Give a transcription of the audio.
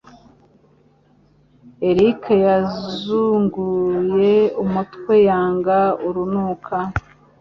Eric yazunguye umutwe yanga urunuka.